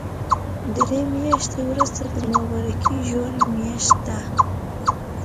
دري مياشتی ورسته د مبارکی ژوری مياشت ده